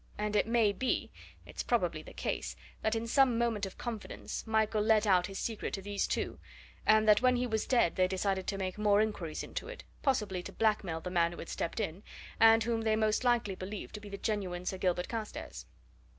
And it may be it's probably the case that in some moment of confidence, Michael let out his secret to these two, and that when he was dead they decided to make more inquiries into it possibly to blackmail the man who had stepped in, and whom they most likely believed to be the genuine Sir Gilbert Carstairs.